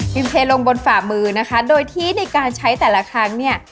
เทลงบนฝ่ามือนะคะโดยที่ในการใช้แต่ละครั้งเนี่ย